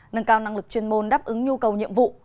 nâng cao năng lực chuyên môn đáp ứng nhu cầu nhiệm vụ